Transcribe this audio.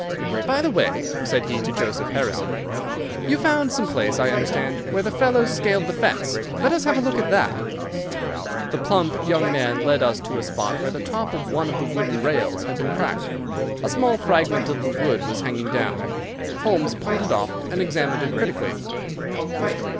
"By the way," said he to Joseph Harrison, "you found some place, I understand, where the fellow scaled the fence. Let us have a look at that!" The plump young man led us to a spot where the top of one of the wooden rails had been cracked. A small fragment of the wood was hanging down. Holmes pulled it off and examined it critically.